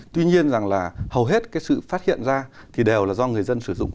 tuy nhiên rằng là hầu hết cái sự phát hiện ra thì đều là do người dân sử dụng